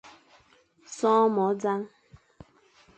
Son môr nẑañ.